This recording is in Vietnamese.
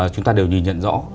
chúng ta đều nhìn nhận rõ